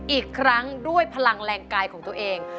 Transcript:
อีกครั้งด้วยพลังแรงกายของตัวเอง